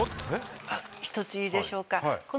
１ついいでしょうか。